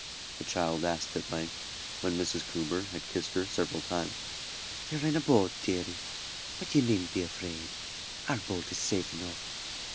the child asked at length, when Mrs. Coomber had kissed her several times. "You're in a boat, deary; but you needn't be afraid; our boat is safe enough."